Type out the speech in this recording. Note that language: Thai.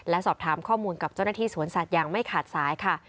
และสอบถามข้อมูลกับเจ้าหน้าที่สวนสัตว์อย่างไม่ขาดสายค่ะ